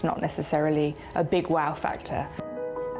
bukan secara khusus sebuah faktor wow besar